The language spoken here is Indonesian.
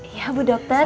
iya bu dokter